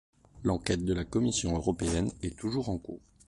L'enquête de la Commission Européenne est toujours en cours.